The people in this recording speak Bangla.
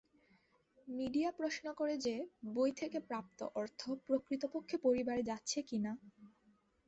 মিডিয়া প্রশ্ন করে যে, বই থেকে প্রাপ্ত অর্থ প্রকৃতপক্ষে পরিবারে যাচ্ছে কিনা?